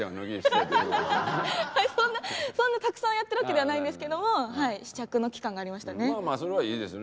そんなたくさんやってるわけではないんですけれども試着の期間がありましたね。